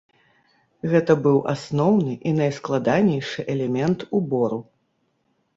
Гэта быў асноўны і найскладанейшы элемент убору.